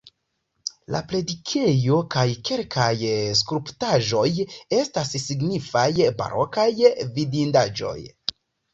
La predikejo kaj kelkaj skulptaĵoj estas signifaj barokaj vidindaĵoj.